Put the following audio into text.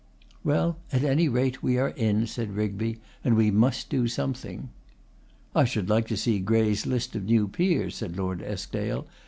'Well, at any rate, we are in,' said Rigby, 'and we must do something.' 'I should like to see Grey's list of new peers,' said Lord Eskdale.